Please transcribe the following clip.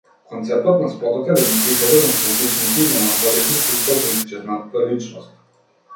Концептот на спотот е да ги прикаже носталгичните и меланхолични чувства за исчезната личност.